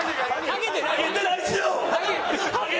ハゲてないですよ！